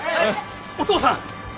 お義父さん！